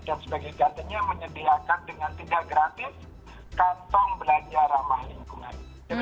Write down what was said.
dan sebagai gantinya menyediakan dengan tidak gratis kantong belanja ramah lingkungan